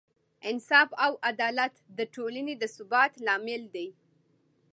انصاف او عدالت د ټولنې د ثبات لامل دی.